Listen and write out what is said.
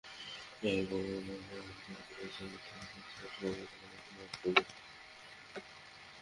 এরপর ভোট গ্রহণ পুরোপুরি স্থগিত করেন প্রিসাইডিং কর্মকর্তা মলয় কুমার শুর।